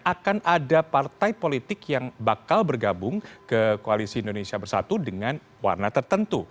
akan ada partai politik yang bakal bergabung ke koalisi indonesia bersatu dengan warna tertentu